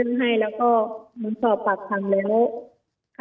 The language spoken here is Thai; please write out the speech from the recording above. แอนตาซินเยลโรคกระเพาะอาหารท้องอืดจุกเสียดแสบร้อน